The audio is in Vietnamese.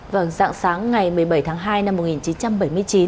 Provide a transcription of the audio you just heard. vào dạng sáng ngày một mươi bảy tháng hai năm một nghìn chín trăm bảy mươi chín